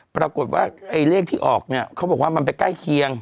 ปรากฏว่าไอ้เลขที่ออกเนี่ยเขาบอกว่ามันไปใกล้เคียง